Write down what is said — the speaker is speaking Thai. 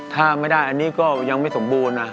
ถ้าไม่ได้อันนี้ก็ยังไม่สมบูรณ์นะ